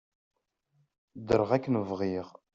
Ddreɣ akken bɣiɣ.